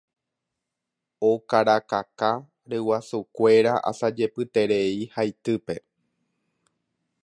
Okarakaka ryguasukuéra asajepyterei haitýpe.